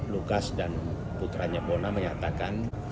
lukas dan putranya bona menyatakan